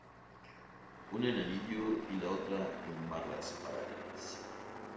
Una en Anillos y la otra en Barras Paralelas.